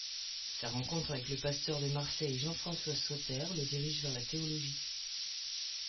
Sa rencontre avec le pasteur de Marseille Jean-François Sautter le dirige vers la théologie.